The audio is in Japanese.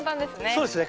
そうですね。